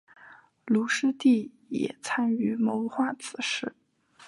卢师谛也参与谋划此事。